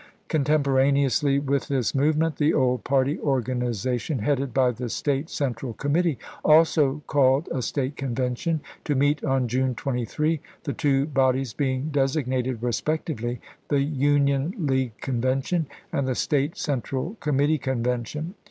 Contemporaneously with this movement the old party organization, headed by the State Central Committee, also called a State Convention to meet on June 23, the two bodies being designated respectively the " Union League Convention " and the " State Central Com mittee Convention."